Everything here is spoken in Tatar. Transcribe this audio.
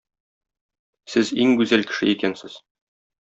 Сез иң гүзәл кеше икәнсез!